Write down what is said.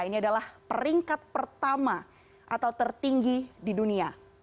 ini adalah peringkat pertama atau tertinggi di dunia